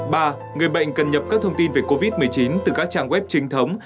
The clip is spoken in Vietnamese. ba người bệnh cần nhập các thông tin về covid một mươi chín từ các trang web chính thống